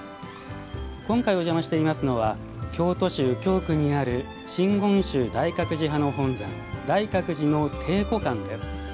今回お邪魔していますのは京都市右京区にある真言宗大覚寺派の本山大覚寺の庭湖館です。